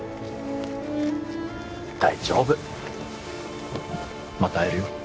大丈夫また会えるよ